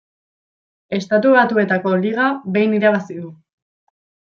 Estatu Batuetako liga behin irabazi du.